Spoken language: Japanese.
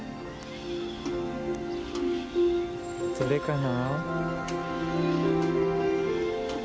どれかな？